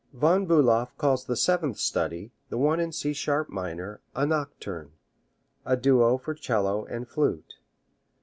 Von Bulow calls the seventh study, the one in C sharp minor, a nocturne a duo for 'cello and flute.